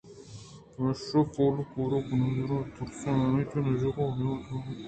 پمیشا پوپل ءَ کُوکارکنان ءَ درّائینت مَہ تُرس سَنگت ! من تئی نزّیک ءَ نیاہان ءُ ترا نُقصان بار نہ کناں